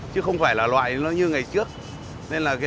chứ không phải là loại như ngày xưa hóa chất đều là mạnh hết